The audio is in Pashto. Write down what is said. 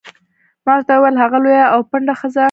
ما ورته وویل: هغه لویه او پنډه ښځه.